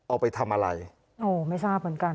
โอ้ไม่ทราบเหมือนกัน